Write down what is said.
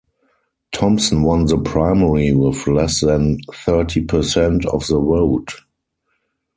Thompson won the primary with less than thirty percent of the vote.